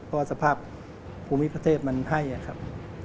เพราะว่าสภาพภูมิประเทศมันให้ครับ